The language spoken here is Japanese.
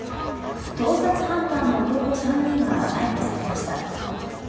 盗撮ハンターの男３人が逮捕されました。